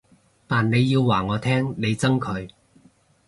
但你要話我聽你憎佢